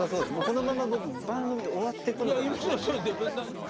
このまま僕番組終わっていくのかなと。